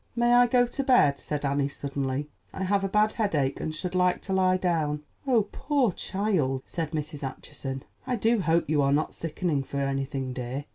"May I go to bed?" said Annie suddenly. "I have a bad headache, and should like to lie down." "Oh, poor child," said Mrs. Acheson, "I do hope you are not sickening for anything, dear.